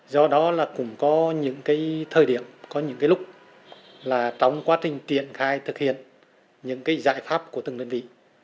do đó là cũng có những cái thời điểm có những cái lúc là trong quá trình triển khai thực hiện những cái giải pháp của từng đơn vị